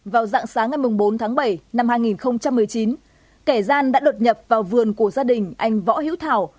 vào dạng sáng ngày bốn tháng bảy năm hai nghìn một mươi chín kẻ gian đã đột nhập vào vườn của gia đình anh võ hữu thảo